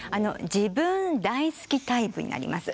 自分大好きタイプになります。